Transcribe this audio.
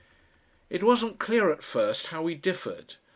It wasn't clear at first how we differed.